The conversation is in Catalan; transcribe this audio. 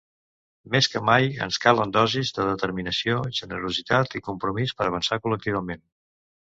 Més que mai, ens calen dosis de determinació, generositat i compromís per avançar col·lectivament.